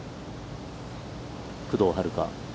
工藤遥加。